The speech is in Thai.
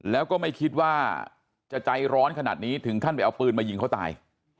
แล้วก็ไม่คิดว่าจะใจร้อนขนาดนี้ถึงขั้นไปเอาปืนมายิงเขาตาย